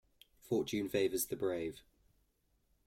Fortune favours the brave.